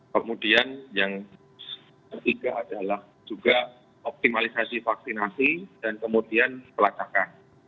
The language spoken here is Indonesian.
kemudian yang ketiga adalah juga optimalisasi vaksinasi dan kemudian pelacakan